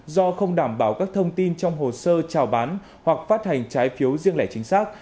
do không đảm bảo các thông tin trong hồ sơ trào bán hoặc phát hành trái phiếu riêng lẻ chính xác